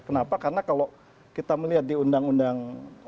kenapa karena kalau kita melihat di undang undang